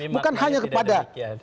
bukan hanya kepada bangsa indonesia